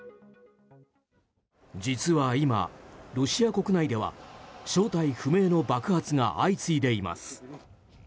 実は今、ロシア国内では正体不明の爆発が相次いでいます。